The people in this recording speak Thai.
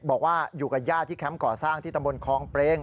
บอกว่าอยู่กับญาติที่แคมป์ก่อสร้างที่ตำบลคองเปรง